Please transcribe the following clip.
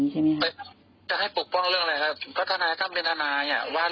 สูตรลุงพลว่ายังไงลองฟังนะฮะ